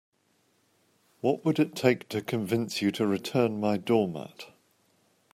What would it take to convince you to return my doormat?